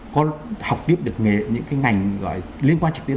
có học tiếp được nghề những cái ngành liên quan trực tiếp